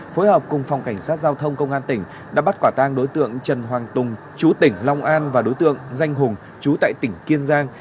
phối hợp cùng phòng cảnh sát giao thông công an tỉnh đã bắt quả tang đối tượng trần hoàng tùng chú tỉnh long an và đối tượng danh hùng chú tại tỉnh kiên giang